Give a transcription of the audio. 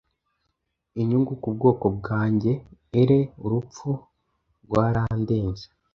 Inyungu kubwoko bwanjye ere urupfu rwarandenze